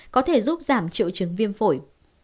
có thể giúp giảm triệu chứng viêm phổi